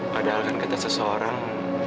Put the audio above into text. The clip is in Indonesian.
padahal kan kita seseorang